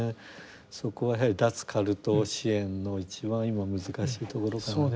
そこはやはり脱カルト支援の一番今難しいところかなと。